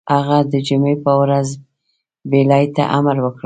هغه د جمعې په ورځ بېړۍ ته امر وکړ.